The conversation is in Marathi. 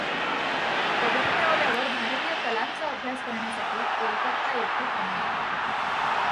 पदवी मिळवल्यावर भारतीय कलांचा अभ्यास करण्यासाठी कोलकाता इथे प्रयाण.